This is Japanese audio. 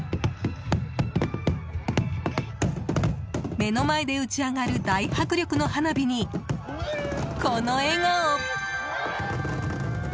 目の前で打ち上がる大迫力の花火に、この笑顔。